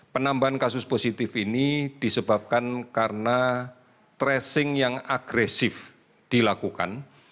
penambahan kasus positif ini disebabkan karena tracing yang agresif dilakukan